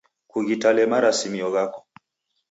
Kughitale marasimio ghako.